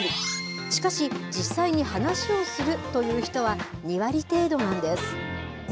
しかし、実際に話をするという人は２割程度なんです。